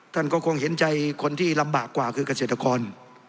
ท่านก็คงเห็นใจคนที่ลำบากกว่าคือเกษตรกร